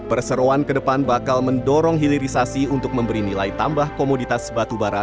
perseroan ke depan bakal mendorong hilirisasi untuk memberi nilai tambah komoditas batubara